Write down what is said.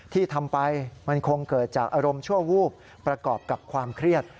ที่ทำไปมันคงเกิดจากอารมณ์ชั่ววูบประกอบกับความเครียด